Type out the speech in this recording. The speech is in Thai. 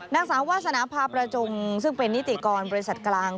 นางสาววาสนาพาประจงซึ่งเป็นนิติกรบริษัทกลาง